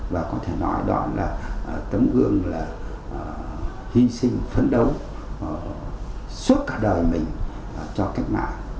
và có thể nói đoạn là tấm gương là hi sinh phấn đấu suốt cả đời mình cho cách mạng và cho dân tộc